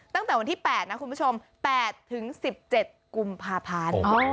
ตั้งแต่วันที่๘นะคุณผู้ชม๘๑๗กุมภาพันธ์